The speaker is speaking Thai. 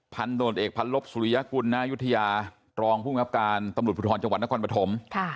การโดนเอกพันลบสุริยากุลนายุทยาตรองผู้มีอัพการตำรุษผู้ทรรณจังหวัดนครปฐม